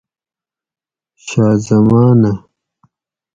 شاہ زمانہ